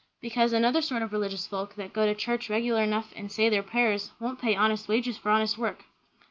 _ Because another sort of religious folk, that go to church regular enough and say their prayers, won't pay honest wages for honest work.